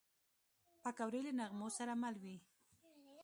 پکورې له نغمو سره مل وي